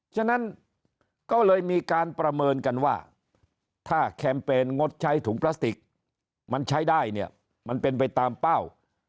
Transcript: ฉะนั้นก็เลยมีการประเมินกันว่าถ้าแคมเปญงดใช้ถุงพลาสติกมันใช้ได้เนี่ยมันเป็นไปตามเป้า